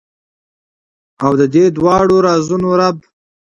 او ددې دواړو رازونو رب ،